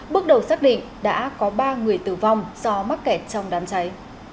bước đầu xác định đã có ba người tử vong do mắc kẹt trong đám cháy